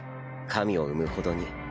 神を生むほどに。